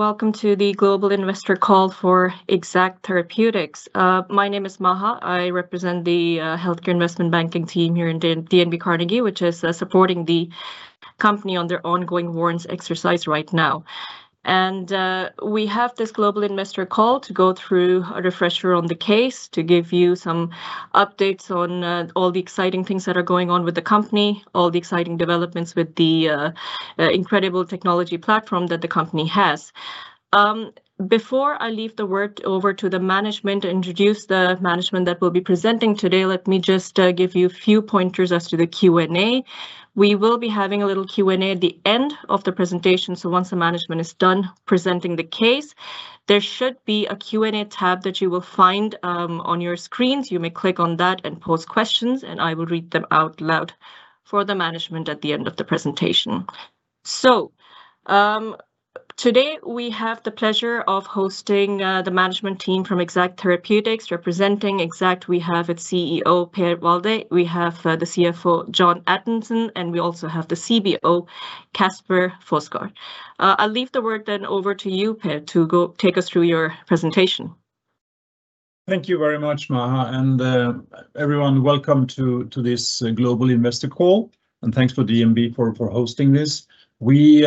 Welcome to the Global Investor Call for Exact Therapeutics. My name is Maha. I represent the healthcare investment banking team here in DNB Carnegie, which is supporting the company on their ongoing warrants exercise right now. And we have this global investor call to go through a refresher on the case, to give you some updates on all the exciting things that are going on with the company, all the exciting developments with the incredible technology platform that the company has. Before I leave the word over to the management, introduce the management that will be presenting today, let me just give you a few pointers as to the Q&A. We will be having a little Q&A at the end of the presentation, so once the management is done presenting the case, there should be a Q&A tab that you will find on your screens. You may click on that and post questions, and I will read them out loud for the management at the end of the presentation. So, today we have the pleasure of hosting the management team from Exact Therapeutics. Representing Exact, we have its CEO, Per Walday, we have the CFO, John Edminson, and we also have the CBO, Caspar Foghsgaard. I'll leave the word then over to you, Per, to go take us through your presentation. Thank you very much, Maha, and everyone, welcome to this Global Investor Call, and thanks to DNB for hosting this. We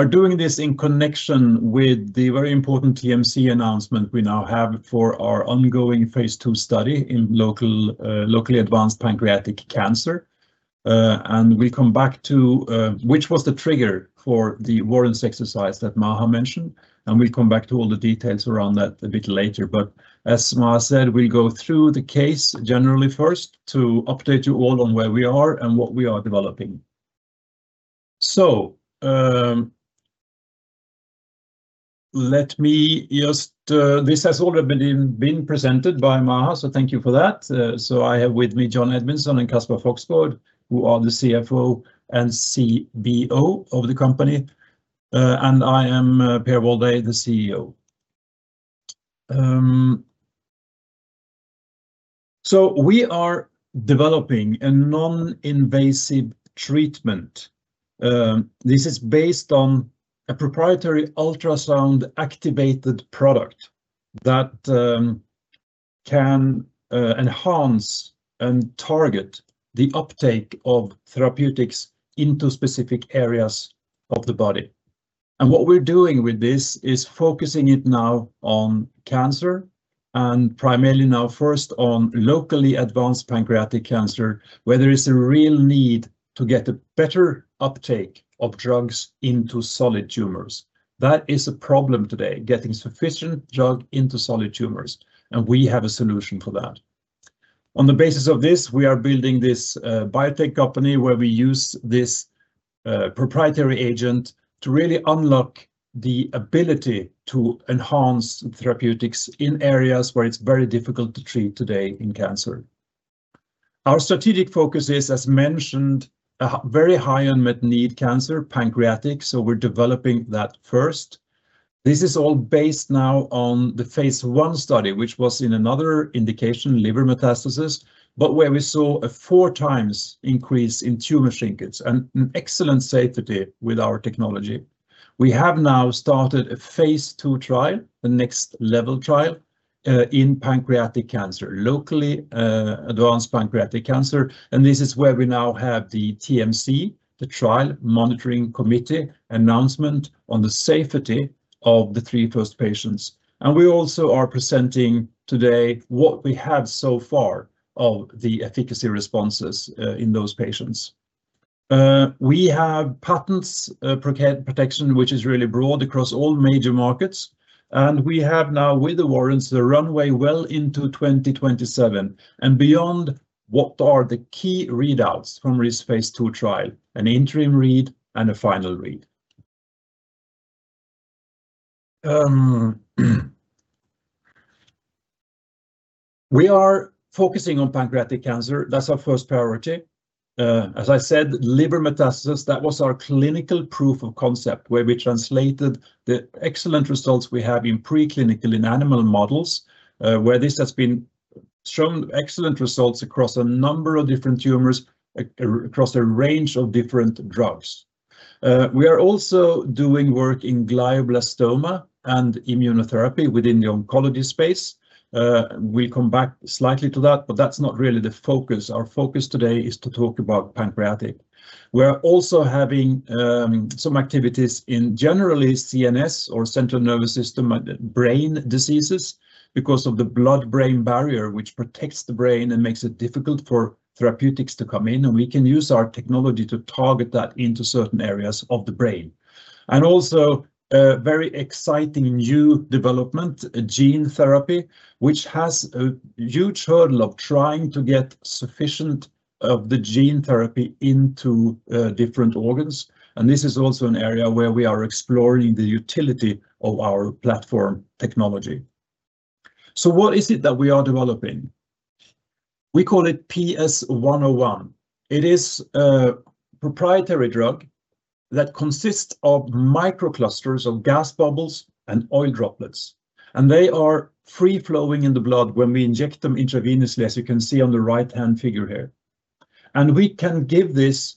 are doing this in connection with the very important TMC announcement we now have for our ongoing phase II study in locally advanced pancreatic cancer. And we come back to which was the trigger for the warrants exercise that Maha mentioned, and we'll come back to all the details around that a bit later. But as Maha said, we'll go through the case generally first to update you all on where we are and what we are developing. So, let me just this has all been presented by Maha, so thank you for that. So I have with me John Edminson and Caspar Foghsgaard, who are the CFO and CBO of the company. I am Per Walday, the CEO. We are developing a non-invasive treatment. This is based on a proprietary ultrasound-activated product that can enhance and target the uptake of therapeutics into specific areas of the body. And what we're doing with this is focusing it now on cancer and primarily now first on locally advanced pancreatic cancer, where there is a real need to get a better uptake of drugs into solid tumors. That is a problem today, getting sufficient drug into solid tumors, and we have a solution for that. On the basis of this, we are building this biotech company, where we use this proprietary agent to really unlock the ability to enhance therapeutics in areas where it's very difficult to treat today in cancer. Our strategic focus is, as mentioned, a very high unmet need cancer, pancreatic, so we're developing that first. This is all based now on the phase I study, which was in another indication, liver metastasis, but where we saw a four times increase in tumor shrinkage and an excellent safety with our technology. We have now started a phase II trial, the next level trial, in pancreatic cancer, locally advanced pancreatic cancer, and this is where we now have the TMC, the Trial Monitoring Committee, announcement on the safety of the three first patients. We also are presenting today what we have so far of the efficacy responses in those patients. We have patent protection, which is really broad across all major markets, and we have now, with the warrants, the runway well into 2027 and beyond. What are the key readouts from this phase II trial? An interim read and a final read. We are focusing on pancreatic cancer. That's our first priority. As I said, liver metastasis, that was our clinical proof of concept, where we translated the excellent results we have in preclinical in animal models, where this has been shown excellent results across a number of different tumors across a range of different drugs. We are also doing work in glioblastoma and immunotherapy within the oncology space. We come back slightly to that, but that's not really the focus. Our focus today is to talk about pancreatic. We're also having some activities in generally CNS, or central nervous system, brain diseases, because of the blood-brain barrier, which protects the brain and makes it difficult for therapeutics to come in, and we can use our technology to target that into certain areas of the brain. And also, a very exciting new development, gene therapy, which has a huge hurdle of trying to get sufficient of the gene therapy into, different organs, and this is also an area where we are exploring the utility of our platform technology. So what is it that we are developing? We call it PS101. It is a proprietary drug that consists of microclusters of gas bubbles and oil droplets, and they are free flowing in the blood when we inject them intravenously, as you can see on the right-hand figure here... and we can give this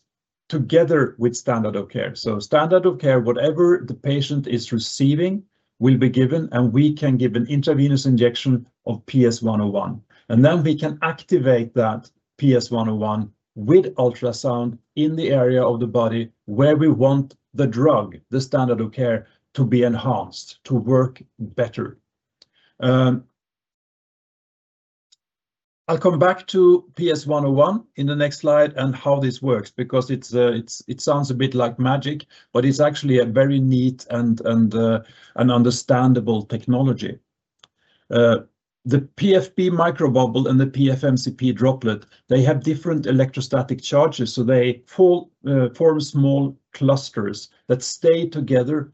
together with standard of care. So standard of care, whatever the patient is receiving, will be given, and we can give an intravenous injection of PS101, and then we can activate that PS101 with ultrasound in the area of the body where we want the drug, the standard of care, to be enhanced, to work better. I'll come back to PS101 in the next slide and how this works, because it's, it's, it sounds a bit like magic, but it's actually a very neat and, and, an understandable technology. The PFP microbubble and the PFMCP droplet, they have different electrostatic charges, so they form, form small clusters that stay together.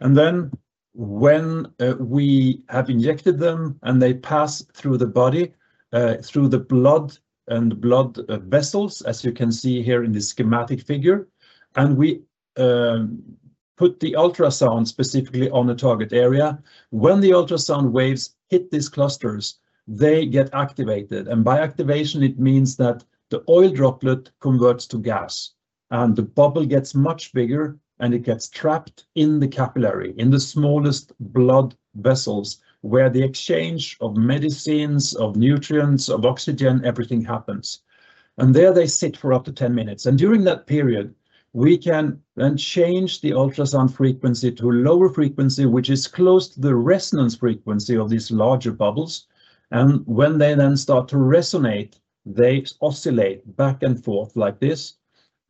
And then when we have injected them, and they pass through the body, through the blood and blood vessels, as you can see here in this schematic figure, and we put the ultrasound specifically on the target area. When the ultrasound waves hit these clusters, they get activated, and by activation, it means that the oil droplet converts to gas, and the bubble gets much bigger, and it gets trapped in the capillary, in the smallest blood vessels, where the exchange of medicines, of nutrients, of oxygen, everything happens. And there they sit for up to 10 minutes, and during that period, we can then change the ultrasound frequency to a lower frequency, which is close to the resonance frequency of these larger bubbles, and when they then start to resonate, they oscillate back and forth like this,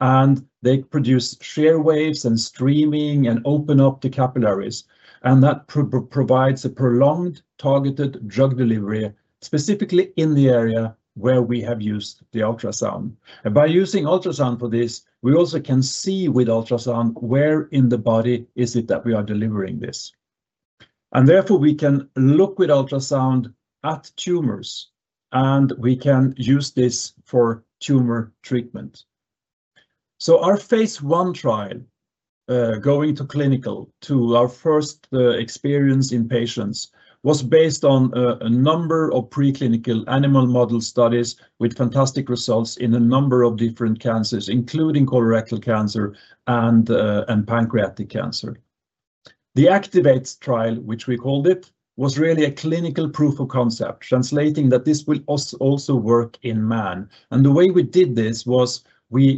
and they produce shear waves and streaming and open up the capillaries, and that provides a prolonged, targeted drug delivery, specifically in the area where we have used the ultrasound. And by using ultrasound for this, we also can see with ultrasound where in the body is it that we are delivering this. And therefore, we can look with ultrasound at tumors, and we can use this for tumor treatment. So our phase I trial, going to clinical to our first experience in patients, was based on a number of preclinical animal model studies with fantastic results in a number of different cancers, including colorectal cancer and pancreatic cancer. The ACTIVATE trial, which we called it, was really a clinical proof of concept, translating that this will also work in man. And the way we did this was.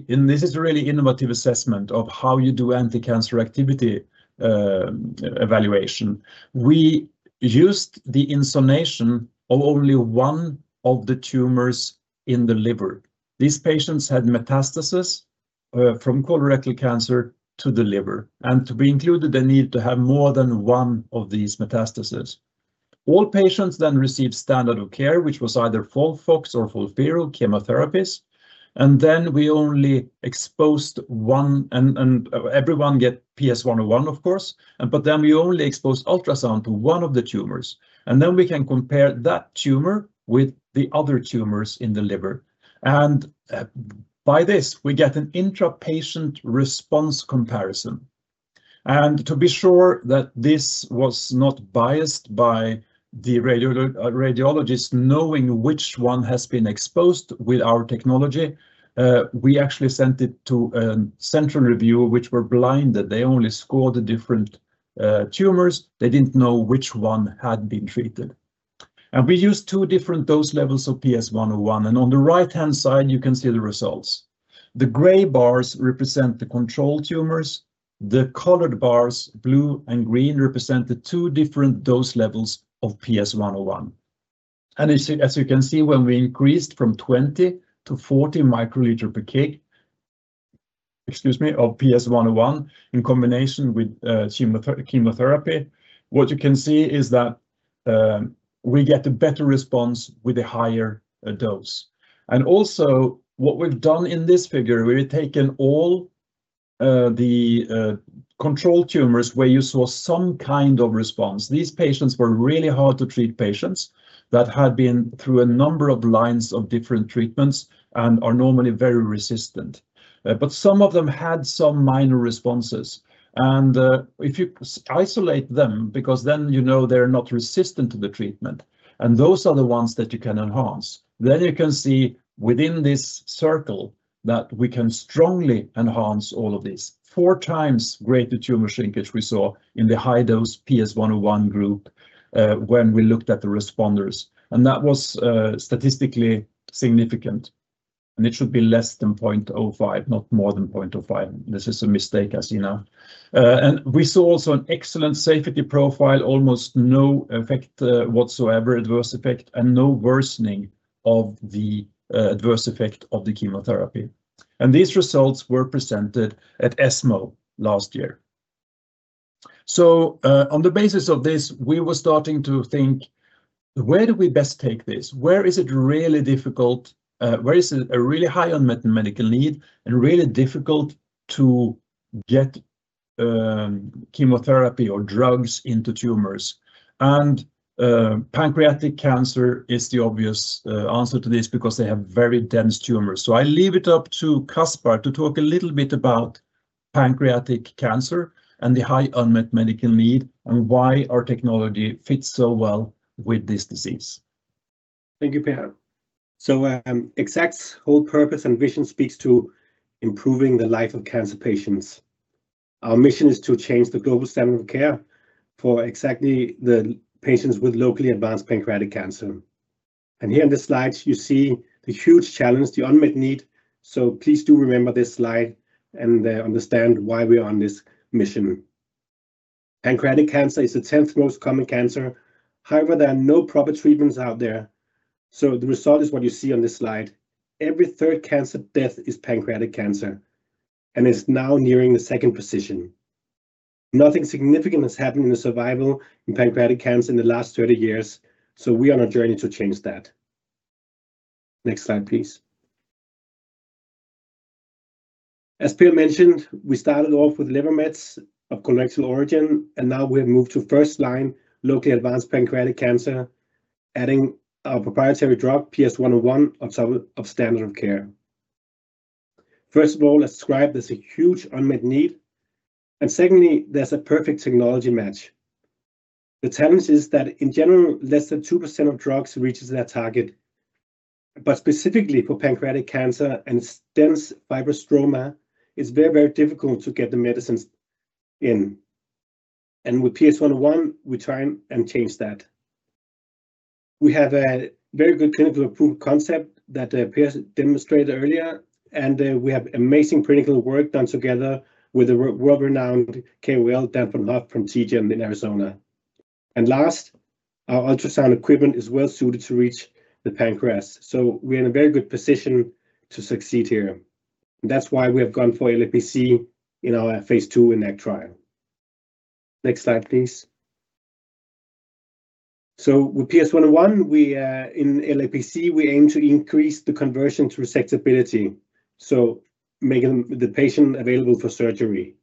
And this is a really innovative assessment of how you do anti-cancer activity evaluation. We used the insonation of only one of the tumors in the liver. These patients had metastasis from colorectal cancer to the liver, and to be included, they need to have more than one of these metastases. All patients then received standard of care, which was either FOLFOX or FOLFIRI chemotherapies, and then we only exposed one, and everyone get PS101, of course, but then we only exposed ultrasound to one of the tumors, and then we can compare that tumor with the other tumors in the liver. By this, we get an intra-patient response comparison. To be sure that this was not biased by the radiologist knowing which one has been exposed with our technology, we actually sent it to a central review, which were blinded. They only scored the different tumors. They didn't know which one had been treated. We used two different dose levels of PS101, and on the right-hand side, you can see the results. The gray bars represent the control tumors. The colored bars, blue and green, represent the two different dose levels of PS101. As you can see, when we increased from 20-40 microliter per kg... excuse me, of PS101, in combination with chemotherapy, what you can see is that we get a better response with a higher dose. Also, what we've done in this figure, we've taken all the control tumors where you saw some kind of response. These patients were really hard to treat patients that had been through a number of lines of different treatments and are normally very resistant. But some of them had some minor responses, and if you isolate them, because then you know they're not resistant to the treatment, and those are the ones that you can enhance. Then you can see within this circle that we can strongly enhance all of this. Four times greater tumor shrinkage we saw in the high-dose PS101 group, when we looked at the responders, and that was, statistically significant, and it should be less than 0.05, not more than 0.05. This is a mistake, as you know. And we saw also an excellent safety profile, almost no effect, whatsoever, adverse effect, and no worsening of the, adverse effect of the chemotherapy, and these results were presented at ESMO last year. So, on the basis of this, we were starting to think, where do we best take this? Where is it really difficult, where is it a really high unmet medical need and really difficult to get, chemotherapy or drugs into tumors? Pancreatic cancer is the obvious answer to this because they have very dense tumors. I leave it up to Caspar to talk a little bit about pancreatic cancer and the high unmet medical need, and why our technology fits so well with this disease. Thank you, Per. So, Exact's whole purpose and vision speaks to improving the life of cancer patients. Our mission is to change the global standard of care for exactly the patients with locally advanced pancreatic cancer. Here in the slides, you see the huge challenge, the unmet need, so please do remember this slide and understand why we're on this mission. Pancreatic cancer is the 10th most common cancer. However, there are no proper treatments out there, so the result is what you see on this slide. Every third cancer death is pancreatic cancer, and it's now nearing the 2nd position. Nothing significant has happened in the survival in pancreatic cancer in the last 30 years, so we are on a journey to change that. Next slide, please. As Per mentioned, we started off with liver mets of colorectal origin, and now we have moved to first-line locally advanced pancreatic cancer, adding our proprietary drug, PS101, on top of standard of care. First of all, as described, there's a huge unmet need, and secondly, there's a perfect technology match. The challenge is that in general, less than 2% of drugs reaches their target, but specifically for pancreatic cancer and dense fibrostroma, it's very, very difficult to get the medicines in, and with PS101, we try and change that. We have a very good clinical approved concept that Per demonstrated earlier, and we have amazing clinical work done together with the world-renowned clinical Daniel Von Hoff from TGen in Arizona. Last, our ultrasound equipment is well-suited to reach the pancreas, so we're in a very good position to succeed here. That's why we have gone for LAPC in our phase II ENACT trial. Next slide, please. So with PS101, we in LAPC, we aim to increase the conversion to resectability, so making the patient available for surgery.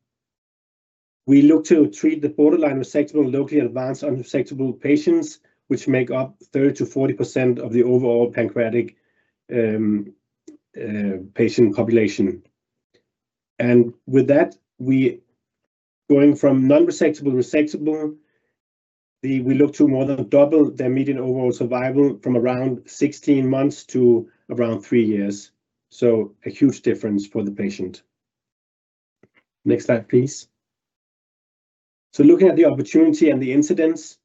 We look to treat the borderline resectable, locally advanced unresectable patients, which make up 30%-40% of the overall pancreatic patient population. And with that, we going from non-resectable, resectable, we look to more than double their median overall survival from around 16 months to around 3 years. So a huge difference for the patient. Next slide, please. So looking at the opportunity and the incidence,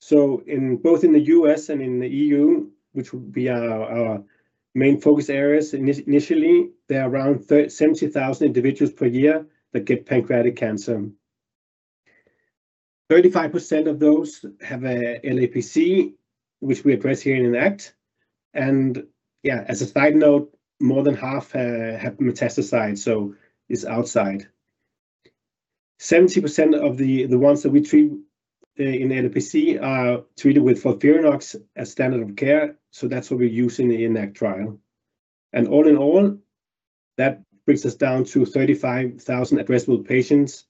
so in both in the U.S. and in the E.U., which will be our, our main focus areas, initially, there are around 70,000 individuals per year that get pancreatic cancer. 35% of those have a LAPC, which we address here in ENACT, and yeah, as a side note, more than half have metastasized, so it's outside. 70% of the ones that we treat in LAPC are treated with FOLFIRINOX as standard of care, so that's what we're using in ENACT trial. And all in all, that brings us down to 35,000 addressable patients,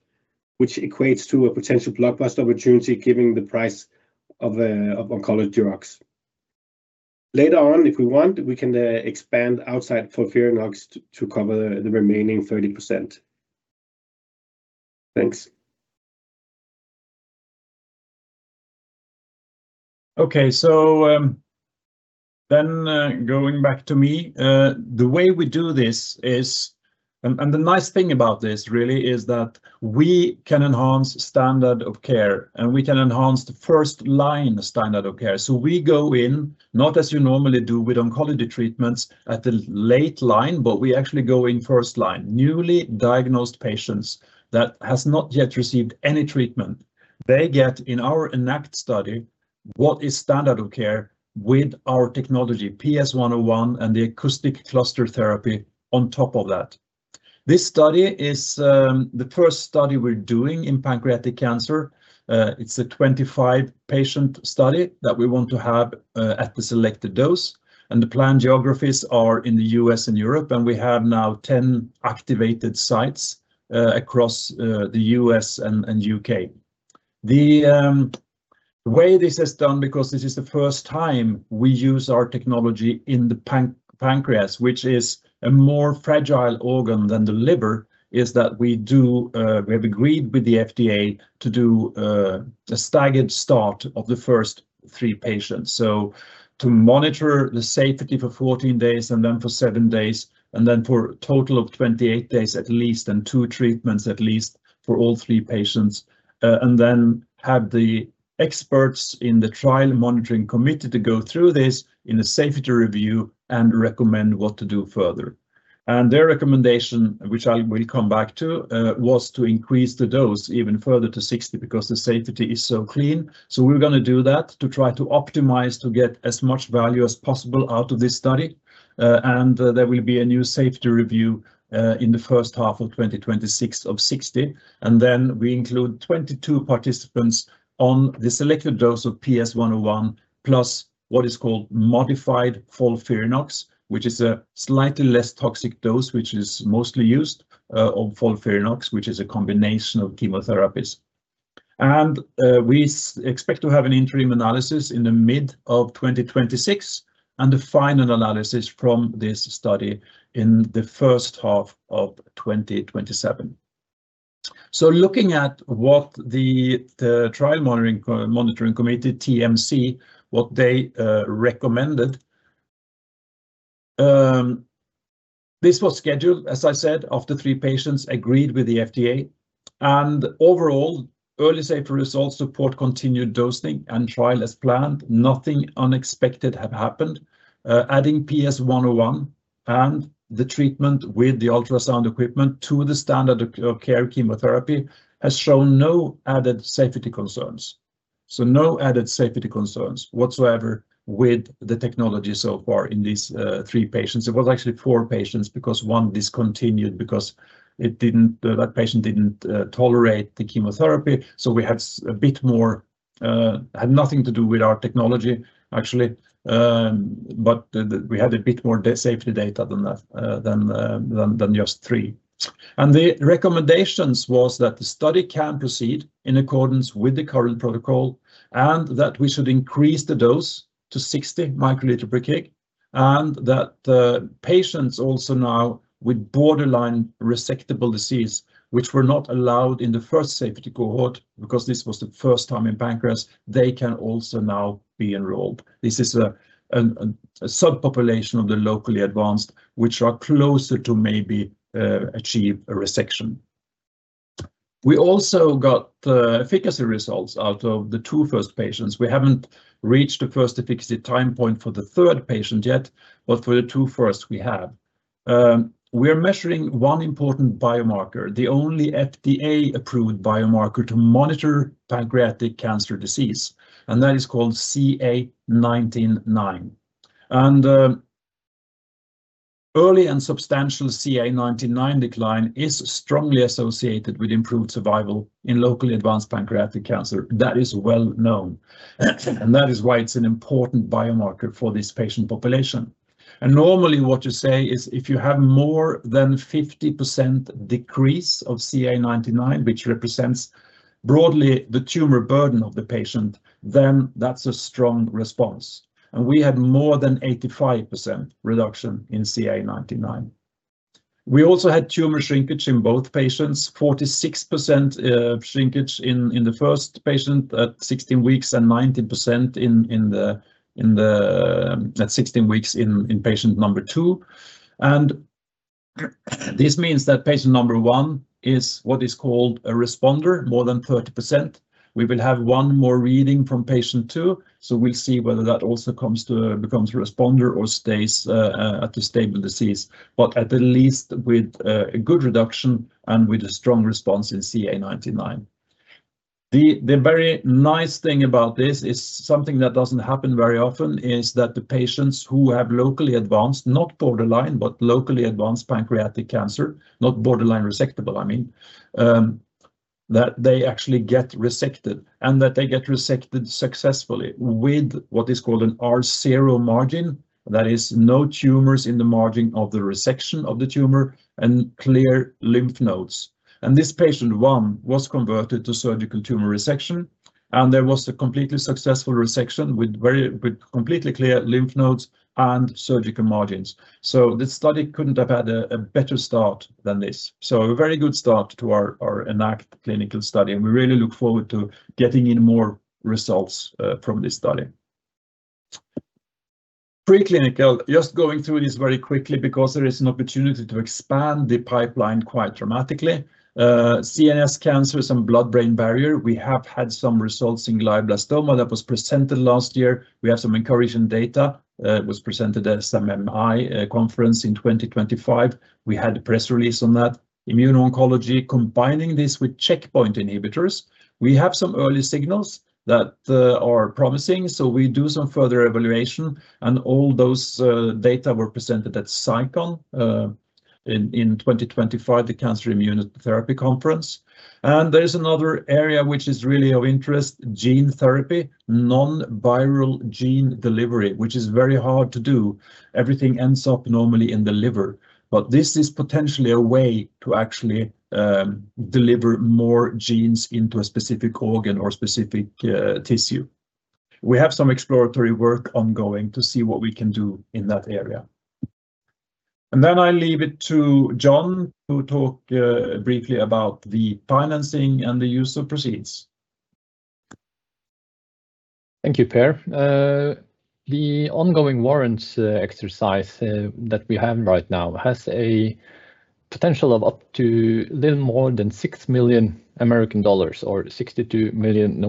which equates to a potential blockbuster opportunity, given the price of oncology drugs. Later on, if we want, we can expand outside FOLFIRINOX to cover the remaining 30%. Thanks. Okay, so, then, going back to me, the way we do this is... And, and the nice thing about this really is that we can enhance standard of care, and we can enhance the first-line standard of care. So we go in, not as you normally do with oncology treatments at the late line, but we actually go in first line. Newly diagnosed patients that has not yet received any treatment, they get in our ENACT study, what is standard of care with our technology, PS101, and the acoustic cluster therapy on top of that. This study is the first study we're doing in pancreatic cancer. It's a 25-patient study that we want to have at the selected dose, and the planned geographies are in the U.S. and Europe, and we have now 10 activated sites across the U.S. and U.K. The way this is done, because this is the first time we use our technology in the pancreas, which is a more fragile organ than the liver, is that we do, we have agreed with the FDA to do a staggered start of the first three patients. So to monitor the safety for 14 days, and then for seven days, and then for a total of 28 days at least, and two treatments at least for all three patients, and then have the experts in the Trial Monitoring Committee to go through this in a safety review and recommend what to do further. Their recommendation, which I will come back to, was to increase the dose even further to 60, because the safety is so clean. So we're gonna do that to try to optimize to get as much value as possible out of this study, and there will be a new safety review in the first half of 2026 of 60. And then we include 22 participants on the selected dose of PS101, plus what is called modified FOLFIRINOX, which is a slightly less toxic dose, which is mostly used on FOLFIRINOX, which is a combination of chemotherapies, and we expect to have an interim analysis in the mid of 2026, and the final analysis from this study in the first half of 2027. So looking at what the Trial Monitoring Committee, TMC, what they recommended, this was scheduled, as I said, after three patients agreed with the FDA. And overall, early safety results support continued dosing and trial as planned. Nothing unexpected have happened. Adding PS101 and the treatment with the ultrasound equipment to the standard of care chemotherapy, has shown no added safety concerns. So no added safety concerns whatsoever with the technology so far in these three patients. It was actually four patients, because one discontinued because it didn't. That patient didn't tolerate the chemotherapy, so we had a bit more. Had nothing to do with our technology, actually. But we had a bit more safety data than that, than just three. The recommendations was that the study can proceed in accordance with the current protocol, and that we should increase the dose to 60 microliter per kg. And that patients also now with borderline resectable disease, which were not allowed in the first safety cohort, because this was the first time in pancreas, they can also now be enrolled. This is a subpopulation of the locally advanced, which are closer to maybe achieve a resection. We also got the efficacy results out of the two first patients. We haven't reached the first efficacy time point for the third patient yet, but for the two first, we have. We're measuring one important biomarker, the only FDA-approved biomarker to monitor pancreatic cancer disease, and that is called CA 19-9. Early and substantial CA 19-9 decline is strongly associated with improved survival in locally advanced pancreatic cancer. That is well known, and that is why it's an important biomarker for this patient population. Normally, what you say is, if you have more than 50% decrease of CA 19-9, which represents broadly the tumor burden of the patient, then that's a strong response, and we had more than 85% reduction in CA 19-9. We also had tumor shrinkage in both patients, 46% shrinkage in the first patient at 16 weeks, and 90% in patient number two at 16 weeks. This means that patient number one is what is called a responder, more than 30%. We will have one more reading from patient two, so we'll see whether that also becomes a responder or stays at a stable disease. But at the least, with a good reduction and with a strong response in CA 19-9. The very nice thing about this is something that doesn't happen very often, is that the patients who have locally advanced, not borderline, but locally advanced pancreatic cancer, not borderline resectable, I mean, that they actually get resected and that they get resected successfully with what is called an R0 margin. That is, no tumors in the margin of the resection of the tumor and clear lymph nodes. And this patient one was converted to surgical tumor resection, and there was a completely successful resection with completely clear lymph nodes and surgical margins. So this study couldn't have had a better start than this. So a very good start to our ENACT clinical study, and we really look forward to getting in more results from this study. Preclinical. Just going through this very quickly because there is an opportunity to expand the pipeline quite dramatically. CNS cancer is a Blood-Brain Barrier. We have had some results in glioblastoma that was presented last year. We have some encouraging data that was presented at SNMMI conference in 2025. We had a press release on that. Immuno-oncology, combining this with checkpoint inhibitors, we have some early signals that are promising, so we do some further evaluation, and all those data were presented at CICON in 2025, the Cancer Immunity Therapy Conference. And there is another area which is really of interest, gene therapy, non-viral gene delivery, which is very hard to do. Everything ends up normally in the liver, but this is potentially a way to actually deliver more genes into a specific organ or specific tissue. We have some exploratory work ongoing to see what we can do in that area. And then I leave it to John to talk briefly about the financing and the use of proceeds. Thank you, Per. The ongoing warrants exercise that we have right now has a potential of up to little more than $6 million or NOK 62 million.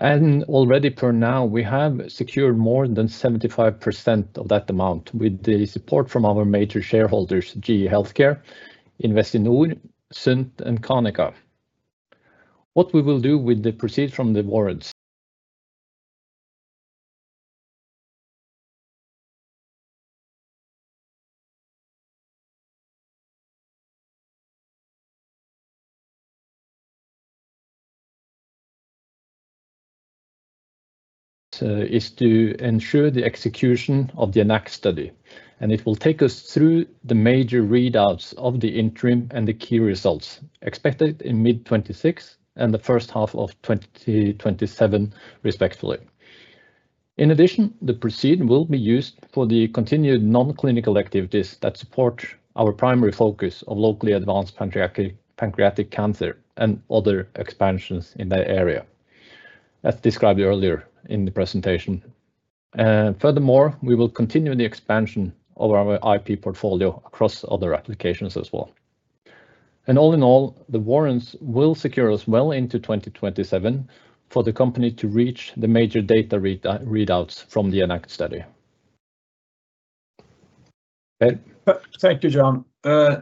Already for now, we have secured more than 75% of that amount with the support from our major shareholders, GE HealthCare, Investinor, Sundt and Canica. What we will do with the proceeds from the warrants? So is to ensure the execution of the ENACT study, and it will take us through the major readouts of the interim and the key results expected in mid-2026 and the first half of 2027, respectfully. In addition, the proceeds will be used for the continued non-clinical activities that support our primary focus on locally advanced pancreatic cancer and other expansions in that area, as described earlier in the presentation. Furthermore, we will continue the expansion of our IP portfolio across other applications as well. And all in all, the warrants will secure us well into 2027 for the company to reach the major data readouts from the ENACT study. Per? Thank you, John.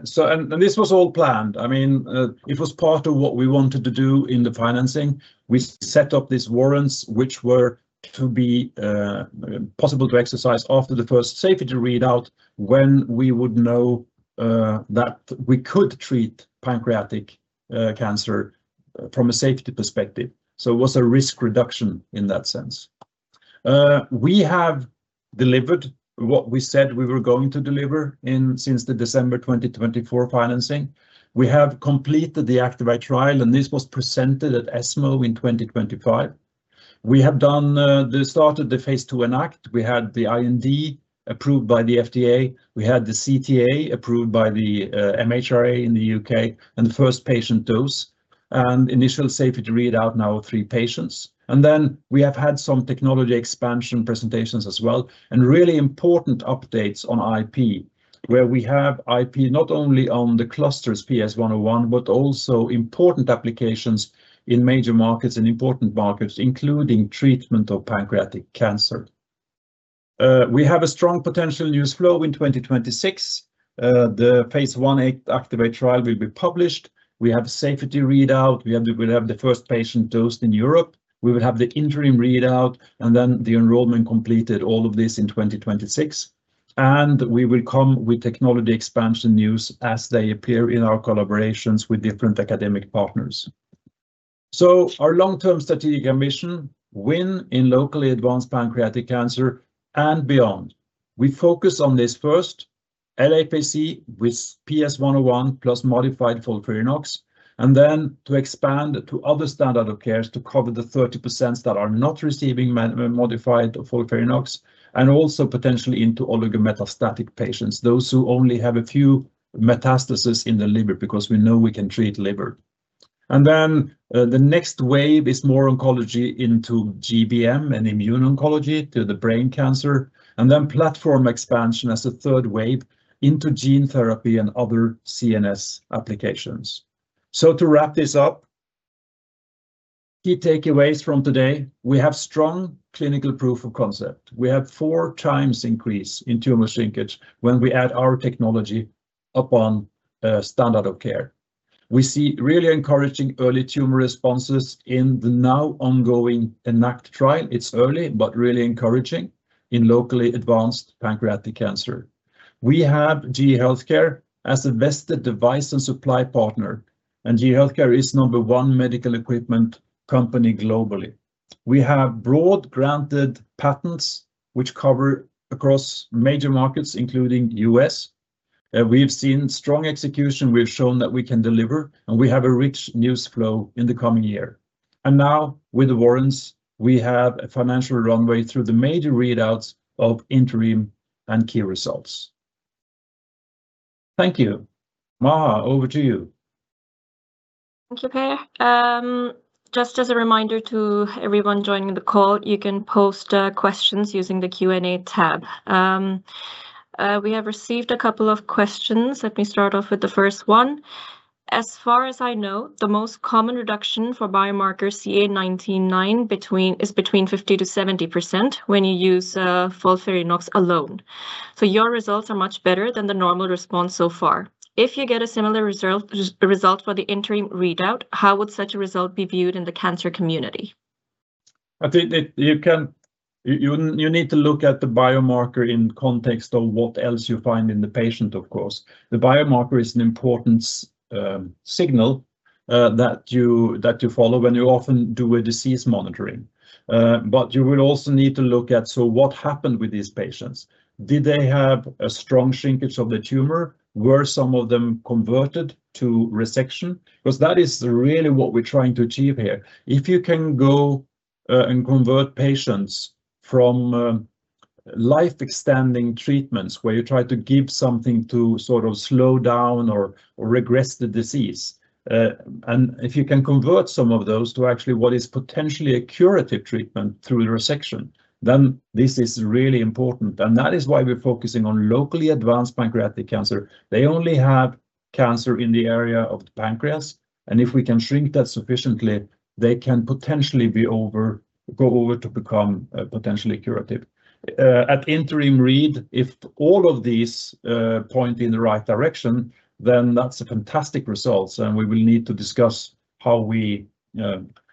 So this was all planned. I mean, it was part of what we wanted to do in the financing. We set up these warrants, which were to be possible to exercise after the first safety readout, when we would know that we could treat pancreatic cancer from a safety perspective. So it was a risk reduction in that sense. We have delivered what we said we were going to deliver since the December 2024 financing. We have completed the ACTIVATE trial, and this was presented at ESMO in 2025. We have done the start of the phase two ENACT. We had the IND approved by the FDA. We had the CTA approved by the MHRA in the UK, and the first patient dose and initial safety readout now of three patients. And then we have had some technology expansion presentations as well, and really important updates on IP, where we have IP not only on the clusters PS101, but also important applications in major markets and important markets, including treatment of pancreatic cancer. We have a strong potential news flow in 2026. The phase one ACTIVATE trial will be published. We have a safety readout. We'll have the first patient dosed in Europe. We will have the interim readout, and then the enrollment completed, all of this in 2026. And we will come with technology expansion news as they appear in our collaborations with different academic partners. So our long-term strategic ambition, win in locally advanced pancreatic cancer and beyond. We focus on this first, LAPC with PS101 plus modified FOLFIRINOX, and then to expand to other standard of cares to cover the 30% that are not receiving modified FOLFIRINOX, and also potentially into oligometastatic patients, those who only have a few metastasis in the liver, because we know we can treat liver. And then, the next wave is more oncology into GBM and immune oncology to the brain cancer, and then platform expansion as a third wave into gene therapy and other CNS applications. So to wrap this up, key takeaways from today, we have strong clinical proof of concept. We have 4 times increase in tumor shrinkage when we add our technology upon standard of care. We see really encouraging early tumor responses in the now ongoing ENACT trial. It's early, but really encouraging in locally advanced pancreatic cancer. We have GE HealthCare as a vetted device and supply partner, and GE HealthCare is No. one medical equipment company globally. We have broad, granted patents which cover across major markets, including U.S., and we've seen strong execution. We've shown that we can deliver, and we have a rich news flow in the coming year. Now, with the warrants, we have a financial runway through the major readouts of interim and key results. Thank you. Maha, over to you. Thank you, Per. Just as a reminder to everyone joining the call, you can post questions using the Q&A tab. We have received a couple of questions. Let me start off with the first one. As far as I know, the most common reduction for biomarker CA 19-9 is between 50%-70% when you use FOLFIRINOX alone. So your results are much better than the normal response so far. If you get a similar result for the interim readout, how would such a result be viewed in the cancer community? I think that you can... You, you need to look at the biomarker in context of what else you find in the patient, of course. The biomarker is an important signal that you, that you follow when you often do a disease monitoring. But you will also need to look at, so what happened with these patients? Did they have a strong shrinkage of the tumor? Were some of them converted to resection? Because that is really what we're trying to achieve here. If you can go, and convert patients from, life-extending treatments, where you try to give something to sort of slow down or, or regress the disease, and if you can convert some of those to actually what is potentially a curative treatment through resection, then this is really important, and that is why we're focusing on locally advanced pancreatic cancer. They only have cancer in the area of the pancreas, and if we can shrink that sufficiently, they can potentially go over to become potentially curative. At interim read, if all of these point in the right direction, then that's a fantastic results, and we will need to discuss how we,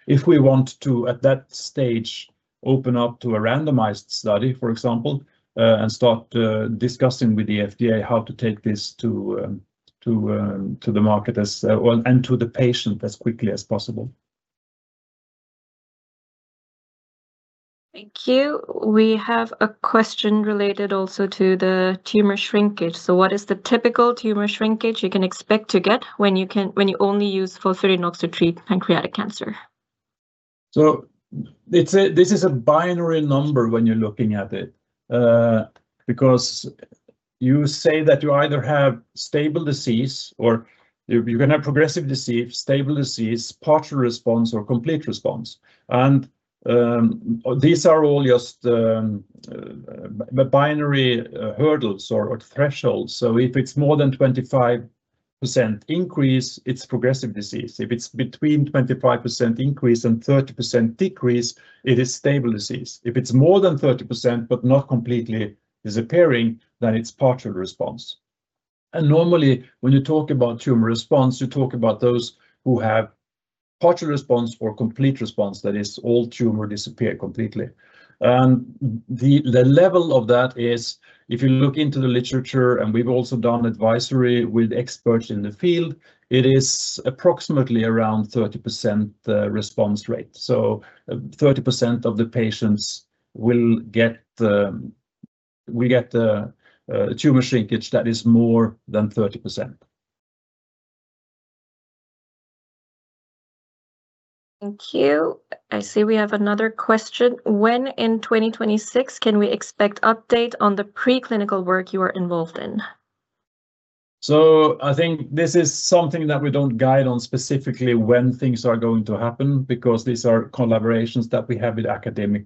if we want to, at that stage, open up to a randomized study, for example, and start discussing with the FDA how to take this to the market as well, and to the patient as quickly as possible. Thank you. We have a question related also to the tumor shrinkage. So what is the typical tumor shrinkage you can expect to get when you only use FOLFIRINOX to treat pancreatic cancer? So it's a, this is a binary number when you're looking at it, because you say that you either have stable disease or you can have progressive disease, stable disease, partial response, or complete response. And these are all just binary hurdles or thresholds. So if it's more than 25% increase, it's progressive disease. If it's between 25% increase and 30% decrease, it is stable disease. If it's more than 30%, but not completely disappearing, then it's partial response. And normally, when you talk about tumor response, you talk about those who have partial response or complete response, that is, all tumor disappear completely. And the level of that is, if you look into the literature, and we've also done advisory with experts in the field, it is approximately around 30% response rate. So 30% of the patients will get the tumor shrinkage that is more than 30%. Thank you. I see we have another question. When in 2026 can we expect update on the preclinical work you are involved in? So I think this is something that we don't guide on, specifically when things are going to happen, because these are collaborations that we have with academic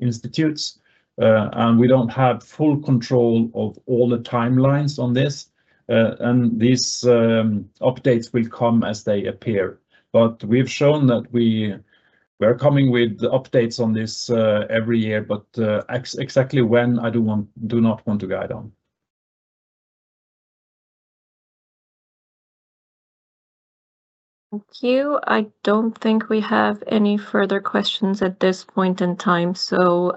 institutes, and we don't have full control of all the timelines on this. And these updates will come as they appear. But we've shown that we're coming with the updates on this every year, but exactly when I do not want to guide on. Thank you. I don't think we have any further questions at this point in time. So,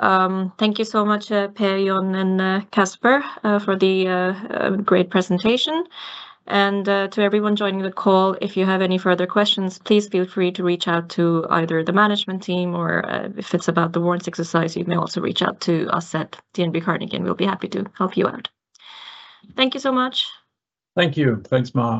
thank you so much, Per, John, and Casper, for the great presentation. And, to everyone joining the call, if you have any further questions, please feel free to reach out to either the management team or, if it's about the warrants exercise, you may also reach out to us at DNB Carnegie, and we'll be happy to help you out. Thank you so much. Thank you. Thanks, Maha.